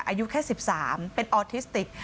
อายุแค่๑๓เป็นออทิสติก